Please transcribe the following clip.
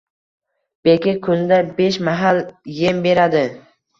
Beka kunda besh mahal em beradi